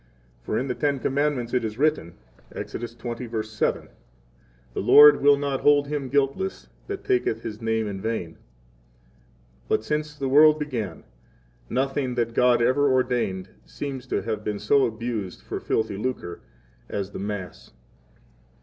For in the Ten Commandments it is written, Ex. 20:7: The Lord will not hold him guiltless that taketh His name in vain. But since 20 the world began, nothing that God ever ordained seems to have been so abused for filthy lucre as the Mass.